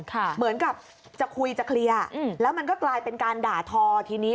เหมือนกับจะคุยจะเคลียร์อืมแล้วมันก็กลายเป็นการด่าทอทีนี้